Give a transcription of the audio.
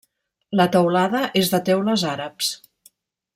La teulada és de teules àrabs.